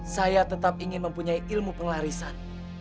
saya tetap ingin mempunyai ilmu pengelarisan